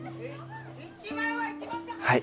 はい。